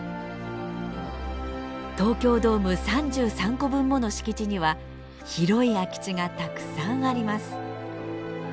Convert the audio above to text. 東京ドーム３３個分もの敷地には広い空き地がたくさんあります。